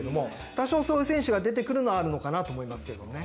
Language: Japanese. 多少そういう選手が出てくるのはあるのかなと思いますけどね。